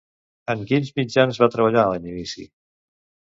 En quins mitjans va treballar en inici?